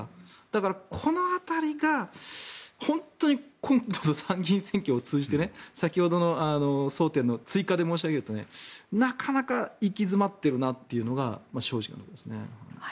だから、この辺りが本当に今度の参議院選挙を通じて先ほどの争点の追加で申し上げるとなかなか行き詰まっているなというのが正直なところですね。